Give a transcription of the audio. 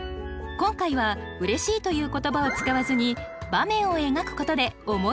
今回は「嬉しい」という言葉を使わずに場面を描くことで思いを伝えます。